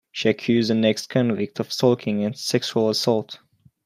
She accused an ex-convict of stalking and sexual assault.